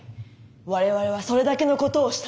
我々はそれだけのことをした。